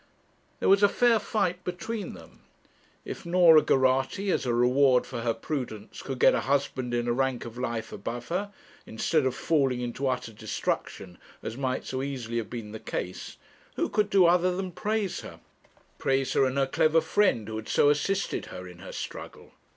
There was a fair fight between them. If Norah Geraghty, as a reward for her prudence, could get a husband in a rank of life above her, instead of falling into utter destruction as might so easily have been the case, who could do other than praise her praise her and her clever friend who had so assisted her in her struggle?